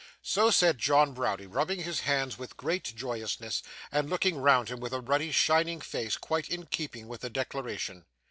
So said John Browdie, rubbing his hands with great joyousness, and looking round him with a ruddy shining face, quite in keeping with the declaration.